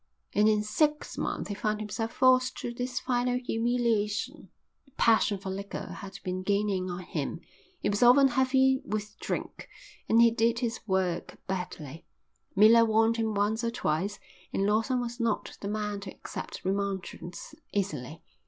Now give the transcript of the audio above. And in six months he found himself forced to this final humiliation. The passion for liquor had been gaining on him, he was often heavy with drink, and he did his work badly. Miller warned him once or twice and Lawson was not the man to accept remonstrance easily.